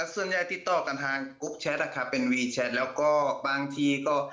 ส่วนใหญ่ติดต่อกันทางกรุ๊ปแชทนะครับเป็นวีแชทแล้วก็บางทีก็